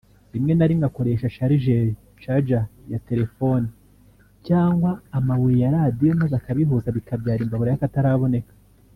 rimwe na rimwe akoresha sharijeri (Charger) ya telefoni cyangwa amabuye ya Radiyo maze akabihuza bikabyara imbabura y’akataraboneka